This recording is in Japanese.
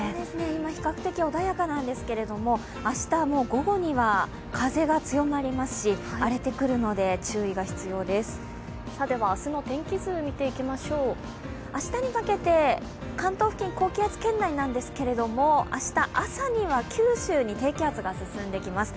今、比較的穏やかなんですけれども、明日午後には、風が強まりますし明日の天気図、見ていきましょう明日にかけて、関東付近、高気圧圏内なんですけれども明日朝には九州に低気圧が進んでいきます。